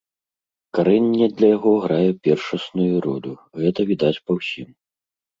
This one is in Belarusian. Карэнне для яго грае першасную ролю, гэта відаць па ўсім.